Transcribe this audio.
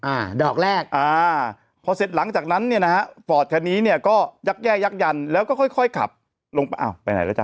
อ่าดอกแรกอ่าพอเสร็จหลังจากนั้นเนี่ยนะฮะฟอร์ดคันนี้เนี่ยก็ยักแย่ยักยันแล้วก็ค่อยค่อยขับลงไปอ้าวไปไหนแล้วจ้